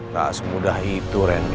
tak semudah itu randy